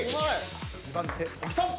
２番手小木さん！